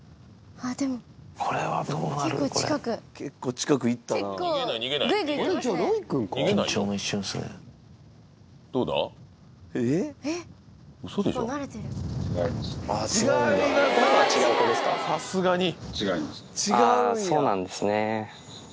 あぁそうなんですね。